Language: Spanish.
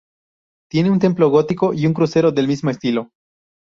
Tiene un templo gótico y un crucero del mismo estilo.